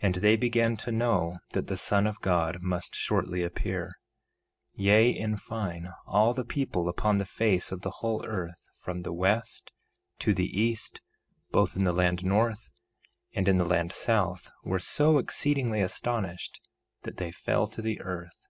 1:17 And they began to know that the Son of God must shortly appear; yea, in fine, all the people upon the face of the whole earth from the west to the east, both in the land north and in the land south, were so exceedingly astonished that they fell to the earth.